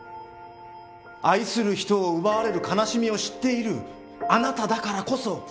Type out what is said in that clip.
愛する人を奪われる悲しみを知っているあなただからこそ。